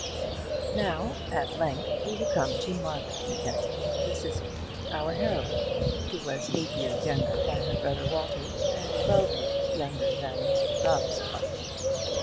Now, at length, we will come to Margaret Mackenzie, the sister, our heroine, who was eight years younger than her brother Walter, and twelve years younger than Mr Rubb's partner.